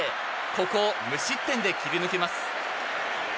ここを無失点で切り抜けます。